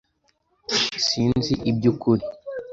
Sinzi ibyukuri.